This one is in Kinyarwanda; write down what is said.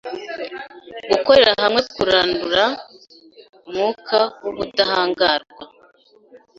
Gukorera hamwe Kurandura umwuka wubudahangarwa